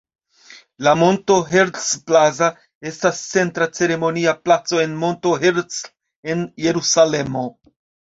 La Monto Herzl Plaza estas centra ceremonia placo en Monto Herzl en Jerusalemo.